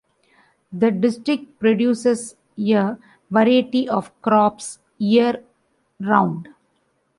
The district produces a variety of crops year-round.